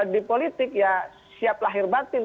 di politik ya siap lahir batin